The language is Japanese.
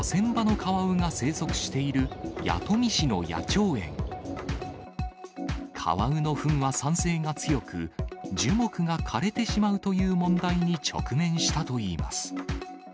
カワウのふんは酸性が強く、樹木が枯れてしまうという問題に直面したといいます。